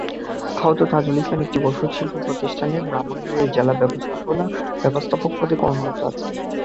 আহত তাজুল ইসলাম একটি ওষুধ শিল্প প্রতিষ্ঠানের ব্রাহ্মণবাড়িয়া জেলা ব্যবস্থাপক পদে কর্মরত আছেন।